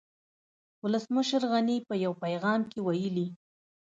ولسمشر غني په يو پيغام کې ويلي